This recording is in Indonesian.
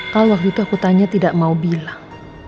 kalau waktu itu aku tanya tidak mau bilang